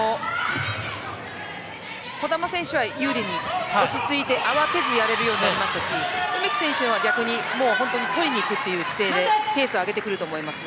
児玉選手は有利に落ち着いて慌てずにやれるようになりましたし梅木選手は逆に取りにいく姿勢でペースを上げてくると思います。